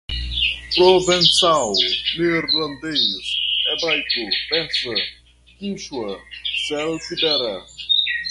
provençal, neerlandês, hebraico, persa, quíchua, celtibera